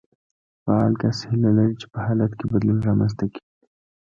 فعال کس هيله لري چې په حالت کې بدلون رامنځته کړي.